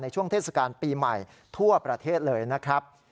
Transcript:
ช่วงเทศกาลปีใหม่ทั่วประเทศเลยนะครับ